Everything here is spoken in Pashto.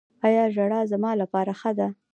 ایا ژړا زما لپاره ښه ده؟